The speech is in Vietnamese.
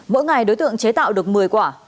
mỗi ngày đối tượng chế tạo được một mươi quả